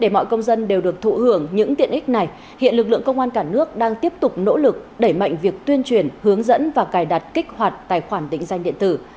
mọi công dân đều được thụ hưởng những tiện ích này hiện lực lượng công an cả nước đang tiếp tục nỗ lực đẩy mạnh việc tuyên truyền hướng dẫn và cài đặt kích hoạt tài khoản định danh điện tử